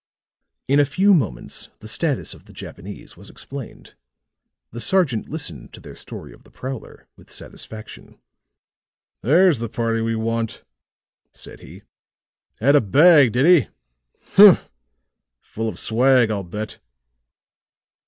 In a few moments the status of the Japanese was explained; the sergeant listened to their story of the prowler with satisfaction. "There's the party we want," said he. "Had a bag, did he? Humph! Full of swag, I'll bet."